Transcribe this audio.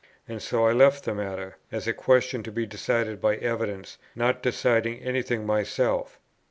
And so I left the matter, as a question to be decided by evidence, not deciding any thing myself.